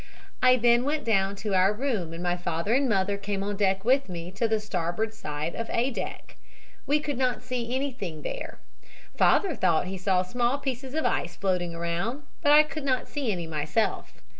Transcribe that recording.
"I then went down to our room and my father and mother came on deck with me, to the starboard side of A deck. We could not see anything there. Father thought he saw small pieces of ice floating around, but I could not see any myself.